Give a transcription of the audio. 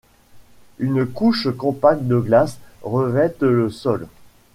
Une couche compacte de glace revêt le sol.